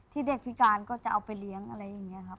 เด็กพิการก็จะเอาไปเลี้ยงอะไรอย่างนี้ครับ